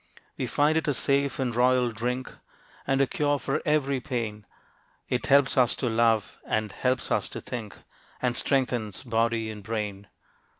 We find it a safe and royal drink, And a cure for every pain; It helps us to love, and helps us to think, And strengthens body and brain.